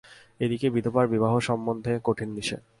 এ দিকে বিধবার বিবাহ সম্বন্ধে কঠিন নিষেধ।